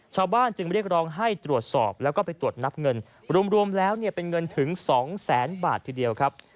ชาวบ้านจึงเรียกร้องให้ตรวจสอบแล้วก็ไปตรวจนับเงินรวมแล้วเนี่ยเป็นเงินถึงสองแสนบาททีเดียวครับ